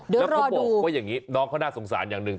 เดี๋ยวรอดูแล้วเขาบอกว่าอย่างนี้น้องเขาน่าสงสารอย่างนึง